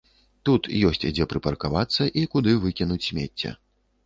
Тут ёсць дзе прыпаркавацца і куды выкінуць смецце.